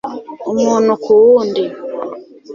umuntu ku wundi